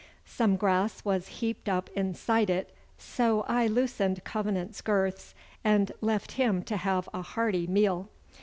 Some grass was heaped up inside it, so I loosened Covenant's girths and left him to have a hearty meal.